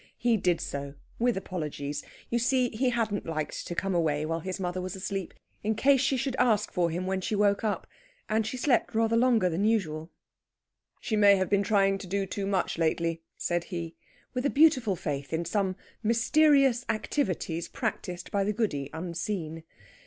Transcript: He did so, with apologies. You see, he hadn't liked to come away while his mother was asleep, in case she should ask for him when she woke up, and she slept rather longer than usual. "She may have been trying to do too much lately," said he, with a beautiful faith in some mysterious activities practised by the Goody unseen.